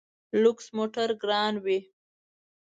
لوکس موټر ګران وي.